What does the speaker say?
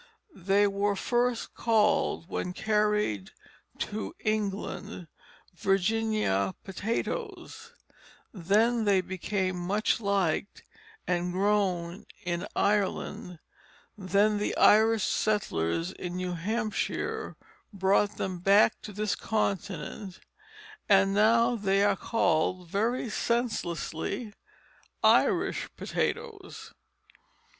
They were first called, when carried to England, Virginia potatoes; then they became much liked and grown in Ireland; then the Irish settlers in New Hampshire brought them back to this continent, and now they are called, very senselessly, Irish potatoes.